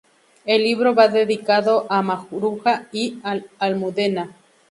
El libro va dedicado a Maruja y Almudena.